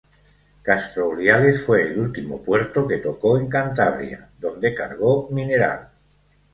Castro Urdiales fue el último puerto que tocó en Cantabria, donde cargó mineral.